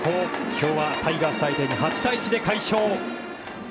今日はタイガース相手に８対１で快勝。